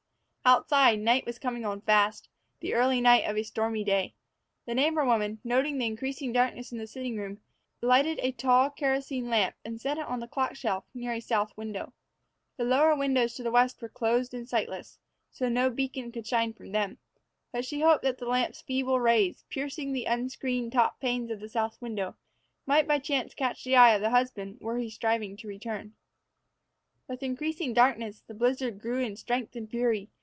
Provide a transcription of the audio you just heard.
Outside, night was coming on fast the early night of a stormy day. The neighbor woman, noting the increasing darkness in the sitting room, lighted a tall kerosene lamp and set it on the clock shelf near a south window. The lower windows to the west were closed and sightless, so no beacon could shine from them; but she hoped that the lamp's feeble rays, piercing the unscreened top panes of the south window, might by chance catch the eye of the husband were he striving to return. With increasing darkness, the blizzard grew in strength and fury.